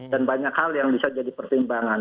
dan banyak hal yang bisa jadi pertimbangan